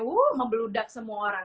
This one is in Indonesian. wuhh membeludak semua orang